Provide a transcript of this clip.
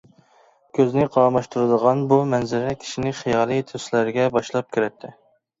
كۆزنى قاماشتۇرىدىغان بۇ مەنزىرە كىشىنى خىيالىي تۈسلەرگە باشلاپ كىرەتتى.